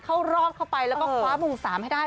เข้ารอบเข้าไปแล้วก็คว้ามุม๓ให้ได้